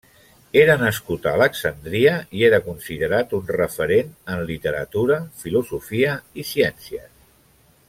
Era nascut a Alexandria i era considerat un referent en literatura, filosofia, i ciències.